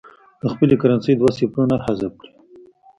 د خپلې کرنسۍ دوه صفرونه حذف کړي.